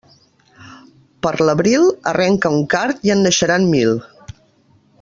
Per l'abril, arranca un card i en naixeran mil.